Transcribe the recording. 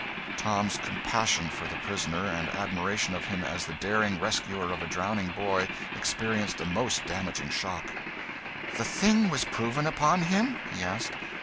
Tom's compassion for the prisoner, and admiration of him as the daring rescuer of a drowning boy, experienced a most damaging shock. "The thing was proven upon him?" he asked.